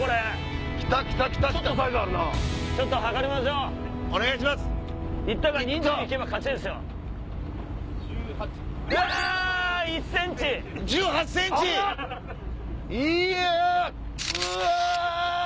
うわ！